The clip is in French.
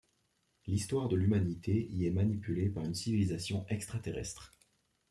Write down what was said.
L'histoire de l'humanité y est manipulée par une civilisation extraterrestre.